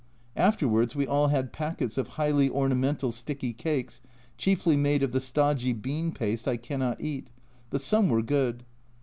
Afterwards we all had packets of highly ornamental sticky cakes, chiefly made of the stodgy bean paste I cannot eat, but some were good.